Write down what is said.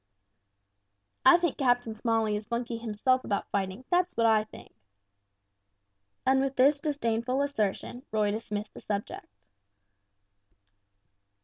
"I think Captain Smalley is funky himself about fighting, that's what I think!" And with this disdainful assertion Roy dismissed the subject.